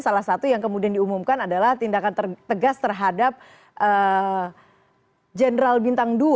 salah satu yang kemudian diumumkan adalah tindakan tegas terhadap general bintang dua